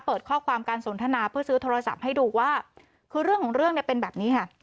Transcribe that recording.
เปิดข้อความการสนทนาเพื่อซื้อโทรศัพท์ให้ดูว่าคือเรื่องของเรื่องเนี่ยเป็นแบบนี้ค่ะ